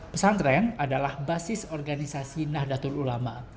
pesantren adalah basis organisasi nahdlatul ulama